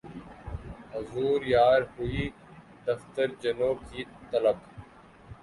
حضور یار ہوئی دفتر جنوں کی طلب